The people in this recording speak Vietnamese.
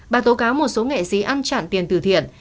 bà tố cáo một số nghệ sĩ ăn chặn tiền từ thiện